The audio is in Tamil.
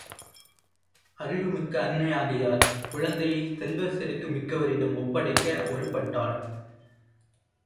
அறிவு மிக்க அன்னையாகையால் குழந்தையைச் செல்வச் செருக்கு மிக்கவரிடம் ஒப்படைக்க ஒருப்பட்டாள்.